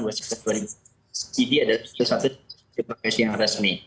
jadi ada satu satu profesi yang resmi